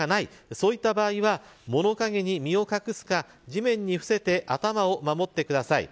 そういった場合は物陰に身を隠すか地面に伏せて頭を守ってください。